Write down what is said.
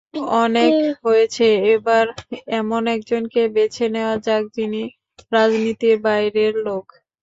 অনেক হয়েছে, এবার এমন একজনকে বেছে নেওয়া যাক, যিনি রাজনীতির বাইরের লোক।